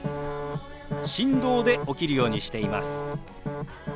振動で起きるようにしています。